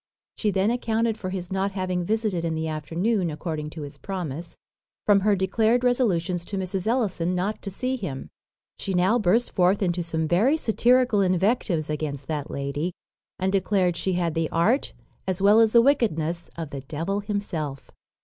She then accounted for his not having visited in the afternoon, according to his promise, from her declared resolutions to Mrs. Ellison not to see him. She now burst forth into some very satirical invectives against that lady, and declared she had the art, as well as the wickedness, of the devil himself.